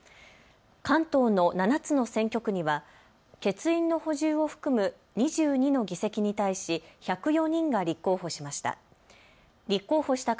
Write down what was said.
関東の７つの選挙区には欠員の補充を含む２２の議席に対し１０４人が立候補しました。